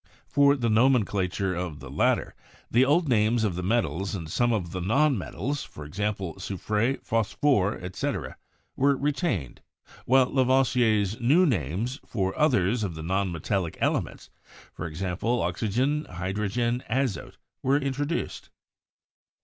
For the nomenclature of the latter, the old names of the metals and of some of the non metals {e.g., soufre, phosphore, etc.) were re tained, while Lavoisier's new names for others of the non metallic elements {e.g., oxygene, hydrogene, azote) were introduced.